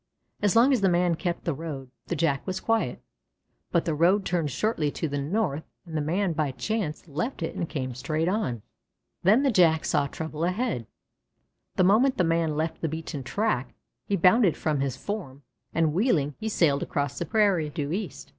As long as the man kept the road the Jack was quiet, but the road turned shortly to the north, and the man by chance left it and came straight on. Then the Jack saw trouble ahead. The moment the man left the beaten track, he bounded from his form, and wheeling, he sailed across the prairie due east.